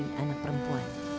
ia menanggung anak perempuan